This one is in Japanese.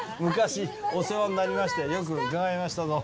昔お世話になりましてよく伺いました。